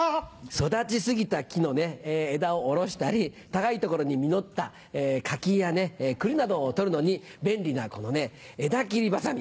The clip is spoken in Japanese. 育ち過ぎた木の枝を下ろしたり高い所に実ったカキやクリなどを採るのに便利なこの枝切りばさみ。